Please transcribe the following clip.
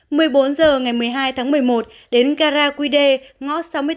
một mươi bốn h ngày một mươi hai tháng một mươi một đến gara quy đê ngõ sáu mươi tám